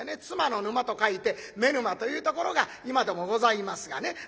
妻の沼と書いて「妻沼」というところが今でもございますがね。